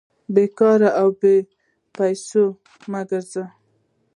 بې کاره او بې پېسو مه ګرځئ!